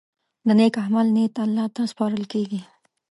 د نیک عمل نیت الله ته سپارل کېږي.